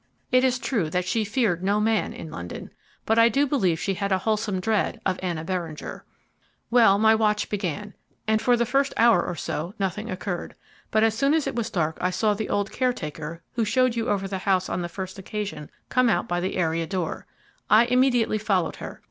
It is true that she feared no man in London, but I do believe she had a wholesome dread of Anna Beringer. "Well, my watch began, and for the first hour or so nothing occurred, but as soon as it was dark I saw the old caretaker, who showed you over the house on the first occasion, come out by the area door. I immediately followed her.